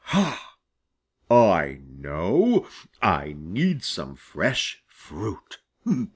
Ha! I know! I need some fresh fruit.